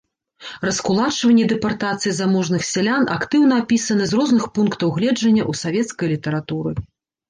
Раскулачванне і дэпартацыі заможных сялян актыўна апісаны з розных пунктаў гледжання ў савецкай літаратуры.